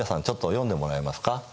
ちょっと読んでもらえますか？